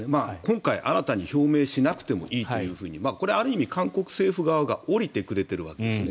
今回、新たに表明しなくてもいいというふうにこれはある意味、韓国政府側が下りてくれているわけですね。